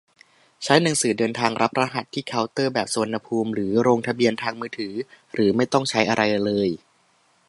ใช้หนังสือเดินทางรับรหัสที่เคาน์เตอร์แบบสุวรรณภูมิ หรือลงทะเบียนทางมือถือ หรือไม่ต้องใช้อะไรเลย